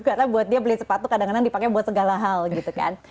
karena buat dia beli sepatu kadang kadang dipakai buat segala hal gitu kan